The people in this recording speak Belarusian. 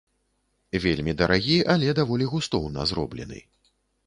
Вельмі дарагі, але даволі густоўна зроблены.